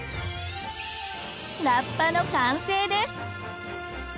ラッパの完成です。